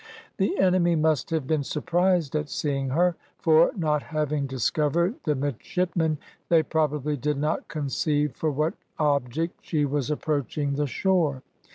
The enemy must have been surprised at seeing her; for not having discovered the midshipmen, they probably did not conceive for what object she was approaching the shore.